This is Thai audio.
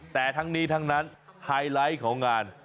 แต่ทั้งนี้ทั้งนั้นไฮไลท์ของงาน